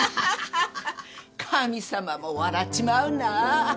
神様も笑っちまうな。